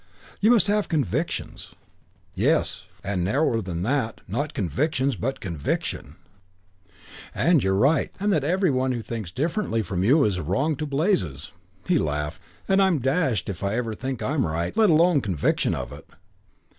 You must have convictions. Yes, and narrower than that, not convictions but conviction. Only one conviction that you're right and that every one who thinks differently from you is wrong to blazes." He laughed. "And I'm dashed if I ever think I'm right, let alone conviction of it.